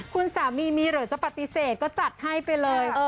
คุณสามีมีหรือจะปฏิเสธก็จัดให้ไปเลย